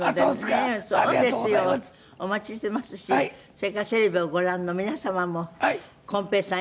お待ちしてますしそれからテレビをご覧の皆様もこん平さん